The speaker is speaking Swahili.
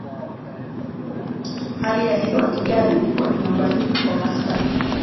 Hali ya hewa ya Kigali ilikuwa ni ya ubaridi kwa wastani